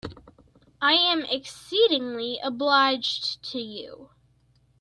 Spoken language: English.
I am exceedingly obliged to you.